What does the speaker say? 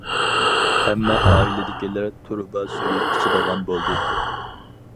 ھەممە ئائىلىدىكىلەر تۇرۇبا سۈيى ئىچىدىغان بولدى.